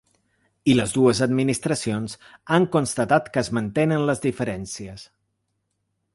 I les dues administracions han constatat que es mantenen les diferències.